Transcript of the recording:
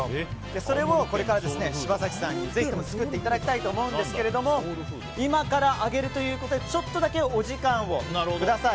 それをこれから柴崎さんにぜひ作っていただきたいんですが今から揚げるということでちょっとだけお時間をください。